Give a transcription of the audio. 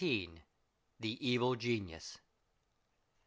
THE EVIL GENIUS.